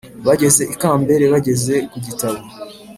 bageze ikambere, bageze ku gitabo,